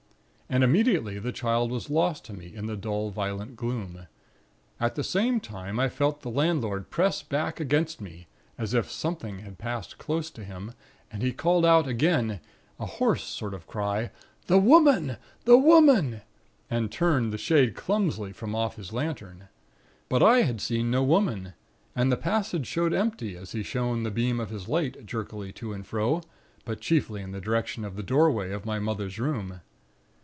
And immediately the child was lost to me, in the dull violet gloom. At the same time, I felt the landlord press back against me, as if something had passed close to him; and he called out again, a hoarse sort of cry: 'The Woman! The Woman!' and turned the shade clumsily from off his lantern. But I had seen no Woman; and the passage showed empty, as he shone the beam of his light jerkily to and fro; but chiefly in the direction of the doorway of my mother's room.